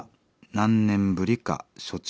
何年ぶりか暑中